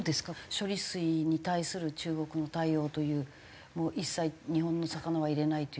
処理水に対する中国の対応というもう一切日本の魚は入れないという。